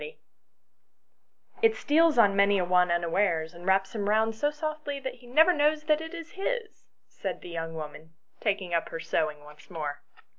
[STORY "It steals on many a one unawares and wraps him round so softly he never knows that it is his !" said the young woman, taking up her sewing once more.